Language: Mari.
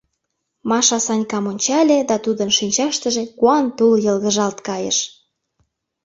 Маша Санькам ончале да тудын шинчаштыже куан тул йылгыжалт кайыш.